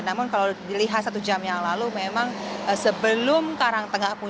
namun kalau dilihat satu jam yang lalu memang sebelum karangtengah